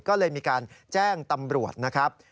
ก็เลยมีการแจ้งตำรวจนะครับ